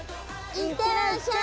いってらっしゃい！